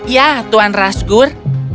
ya tuan razgoor